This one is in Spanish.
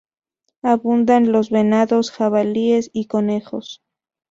Abundan los venados, jabalíes y conejos.